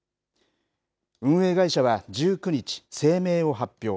運営会社は１９日、声明を発表。